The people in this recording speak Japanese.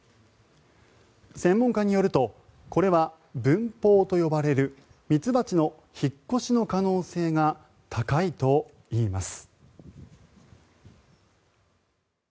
専門家によるとこれは分蜂と呼ばれるミツバチの引っ越しの可能性が高いといいます。